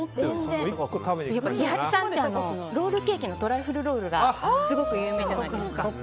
キハチさんってロールケーキのトライフルロールがすごく有名じゃないですか。